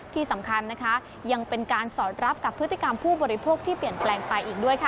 ที่สำคัญนะคะยังเป็นการสอดรับกับพฤติกรรมผู้บริโภคที่เปลี่ยนแปลงไปอีกด้วยค่ะ